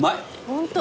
ホント。